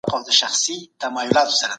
هغه ځوان وویل چي تجربه ترلاسه کول سخت دي.